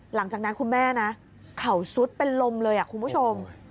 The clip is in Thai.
หลังจากนั้นคุณแม่นะเข่าซุดเป็นลมเลยคุณผู้ชม